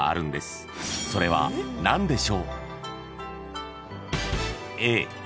［それは何でしょう？］